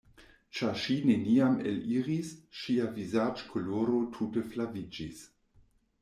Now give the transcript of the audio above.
Ĉar ŝi neniam eliris, ŝia vizaĝkoloro tute flaviĝis.